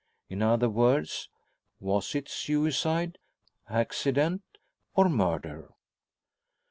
In other words, was it suicide, accident, or murder?